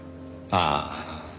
ああ。